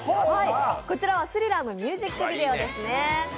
こちらは「スリラー」のミュージックビデオですね。